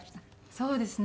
そうですね。